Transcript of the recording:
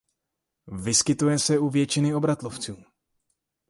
Vyskytuje se u většiny obratlovců.